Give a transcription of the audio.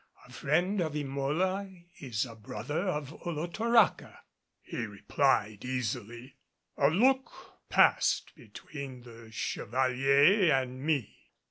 A friend of Emola is a brother of Olotoraca," he replied easily. A look passed between the Chevalier and me.